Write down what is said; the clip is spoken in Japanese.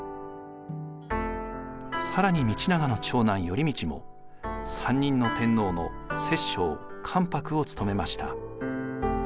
更に道長の長男頼通も３人の天皇の摂政・関白を務めました。